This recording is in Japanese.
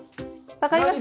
分かります？